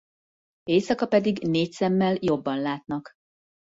Éjszaka pedig négy szemmel jobban látnak.